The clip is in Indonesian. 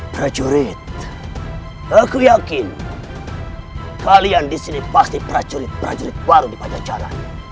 prajurit aku yakin kalian di sini pasti prajurit prajurit baru di badan jalan